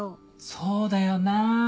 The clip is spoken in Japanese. そうだよな。